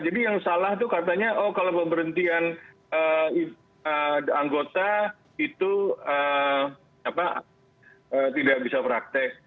jadi yang salah itu katanya oh kalau pemberhentian anggota itu tidak bisa praktek